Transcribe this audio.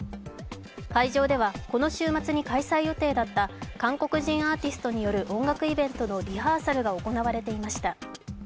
会場ではこの週末に開催予定だった韓国人アーティストによる音楽イベントのリハーサルが行われていました。